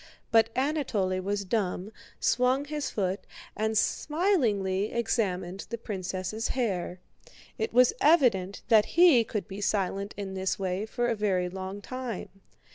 But Anatole was dumb, swung his foot, and smilingly examined the princess' hair. It was evident that he could be silent in this way for a very long time.